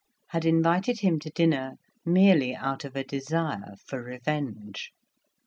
had invited him to dinner merely out of a desire for revenge.